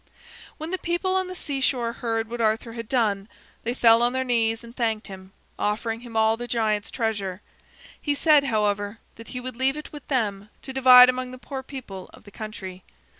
When the people on the seashore heard what Arthur had done, they fell on their knees and thanked him, offering him all the giant's treasure. He said, however, that he would leave it with them to divide among the poor people of the country.